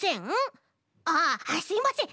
あっすいません！